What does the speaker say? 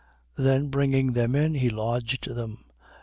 10:23. Then bringing them in, he lodged them.